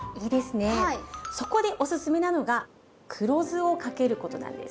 そこでおすすめなのが黒酢をかけることなんです。